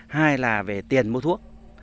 hai là về tiền mua thuốc